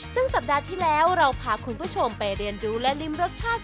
ซึ่งสัปดาห์ที่แล้วเราพาคุณผู้ชมไปเรียนรู้และริมรสชาติ